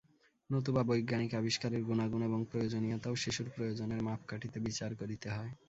নতুবা বৈজ্ঞানিক আবিষ্কারের গুণাগুণ এবং প্রয়োজনীয়তাও শিশুর প্রয়োজনের মাপকাঠিতে বিচার করিতে হয়।